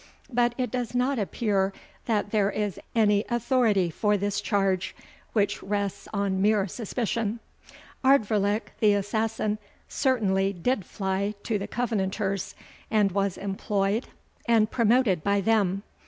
But it does not appear that there is any authority for this charge, which rests on mere suspicion. Ardvoirlich, the assassin, certainly did fly to the Covenanters, and was employed and promoted by them.